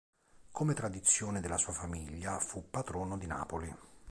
Come tradizione della sua famiglia, fu patrono di Napoli.